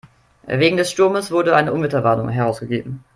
Wegen des Sturmes wurde eine Unwetterwarnung herausgegeben.